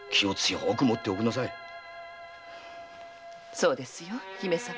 そうですよ姫様。